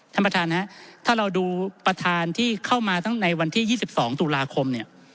ท่านประธานฮะถ้าเราดูประธานที่เข้ามาทั้งในวันที่๒๒ตุลาคมเนี่ย